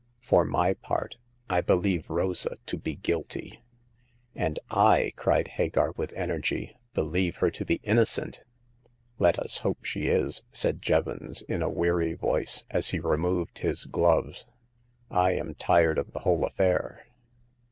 For my part, I believe Rosa to be guilty." " And I," cried Hagar, with energy, *' believe her to be innocent !'"Let us hope she is," said Jevons, in a weary voice, as he removed his gloves. I am tired of the whole affair."